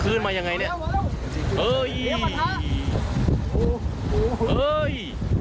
ขึ้นมายังไงเนี่ย